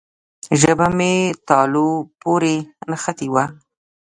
ژبه مې تالو پورې نښتې وه.